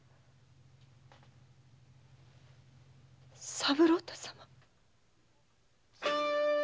三郎太様！